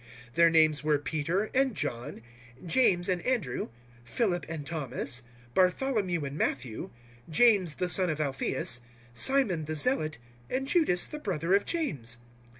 Their names were Peter and John, James and Andrew, Philip and Thomas, Bartholomew and Matthew, James the son of Alphaeus, Simon the Zealot, and Judas the brother of James.